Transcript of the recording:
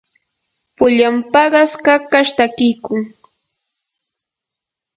pullan paqas kakash takiykun.